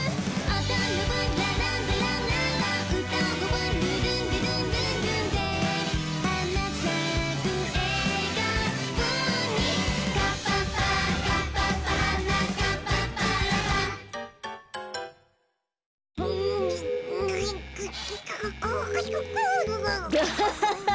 アハハハ！